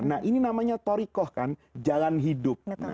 nah ini namanya torikoh kan jalan hidup